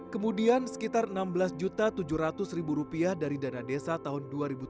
kemudian sekitar rp enam belas tujuh ratus dari dana desa tahun dua ribu tujuh belas